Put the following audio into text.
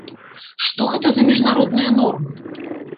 Што гэта за міжнародныя нормы?